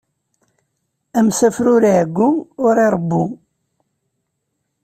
Amsafer ur iɛeggu, ur iṛebbu.